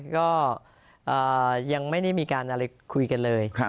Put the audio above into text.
ก็ยังไม่ได้มีการอะไรคุยกันเลย